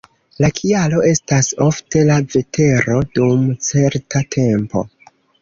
La kialo estas ofte la vetero dum certa tempo.